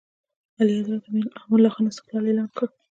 اعلیحضرت امان الله خان استقلال اعلان کړ.